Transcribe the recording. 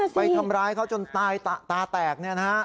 ไปทำร้ายเขาจนตาแตกเนี่ยนะฮะ